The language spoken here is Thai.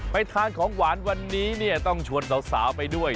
ไปทานของหวานวันนี้เนี่ยต้องชวนสาวไปด้วย